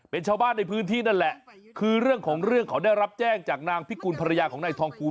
เป็นชาวบ้านในพื้นที่นั่นแหละคือเรื่องของเรื่องเขาได้รับแจ้งจากนางพิกุลภรรยาของนายทองภูล